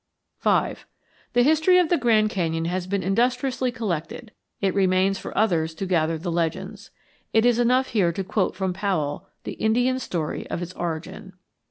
V The history of the Grand Canyon has been industriously collected. It remains for others to gather the legends. It is enough here to quote from Powell the Indian story of its origin.